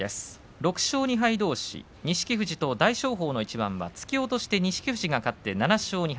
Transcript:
６勝２敗どうし、錦富士と大将豊の一番は突き落としで錦富士が勝って７勝２敗